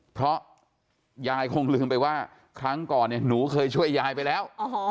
เพราะยายคงลืมไปว่าครั้งก่อนเนี่ยหนูเคยช่วยยายไปแล้ว